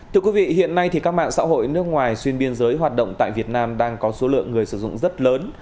thưa quý vị hiện nay các mạng xã hội nước ngoài xuyên biên giới hoạt động tại việt nam đang có số lượng người sử dụng rất lớn